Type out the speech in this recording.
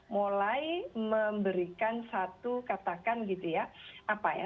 mulai memberikan satu katakan gitu ya